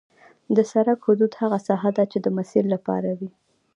د سرک حدود هغه ساحه ده چې د مسیر لپاره وي